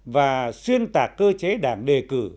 và xuyên tạc cơ chế đảng đề cử